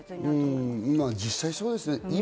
実際そうですね。